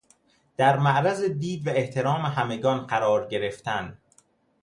در معرض دید و احترام همگان قرار گرفتن